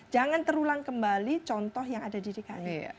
jangan terulang kembali contoh yang ada di dki